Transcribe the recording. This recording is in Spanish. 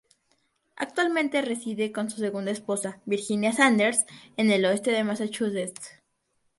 Actualmente reside con su segunda esposa, Virginia Sanders, en el oeste de Massachusetts.